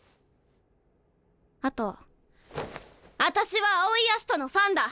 あとあたしは青井葦人のファンだ！